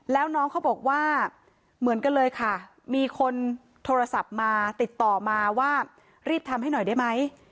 แล้วน้องเขาบอกว่าเหมือนกันเลยค่ะมีคนโทรศัพท์มาติดต่อมาว่ารีบทำให้หน่อยได้ไหม